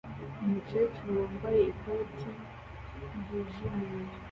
Umukecuru wambaye ikoti ryijimye